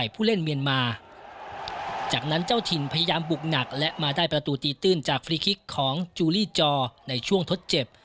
พิคิกของจูลี่จอในช่วงทดเจ็บ